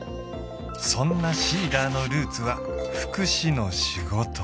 そんなＳｅｅｄｅｒのルーツは福祉の仕事